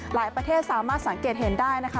ประเทศสามารถสังเกตเห็นได้นะคะ